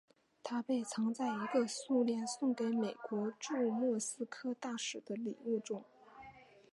它被藏在一个苏联送给美国驻莫斯科大使的礼物中。